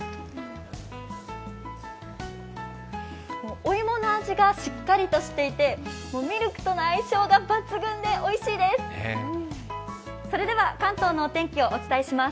お芋の味がしっかりとしていて、ミルクとの相性が抜群でおいしいです。